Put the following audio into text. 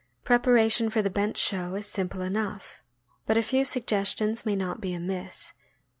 Preparation for the bench show is simple enough, but a few suggestions may not be amiss.